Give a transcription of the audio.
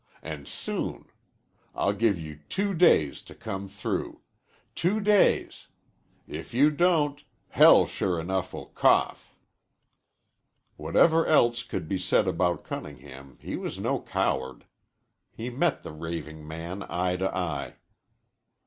An' soon. I'll give you two days to come through. Two days. If you don't hell sure enough will cough." Whatever else could be said about Cunningham he was no coward. He met the raving man eye to eye.